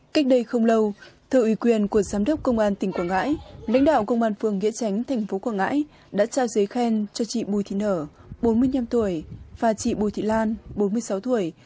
cách đây không lâu thợ ủy quyền của giám đốc công an tỉnh quảng ngãi lãnh đạo công an phường nghĩa tránh thành phố quảng ngãi đã trao giấy khen cho chị bùi thị nở bốn mươi năm tuổi và chị bùi thị lan bốn mươi sáu tuổi